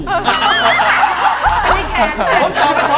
เพิ่มชอบไป๒ประตู